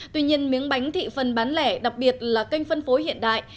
tuy nhiên miếng bánh thị phần bán lẻ đặc biệt là kênh phân phối hiện đại